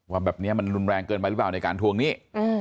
ว่าแบบนี้มันรุนแรงเกินไปหรือเปล่าในการทวงหนี้